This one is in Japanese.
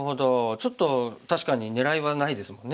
ちょっと確かに狙いはないですもんね